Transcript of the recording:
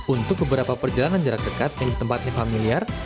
untuk beberapa perjalanan jarak dekat yang tempatnya familiar